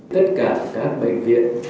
tất cả các bệnh viện